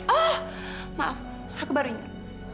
oh maaf aku baru ingat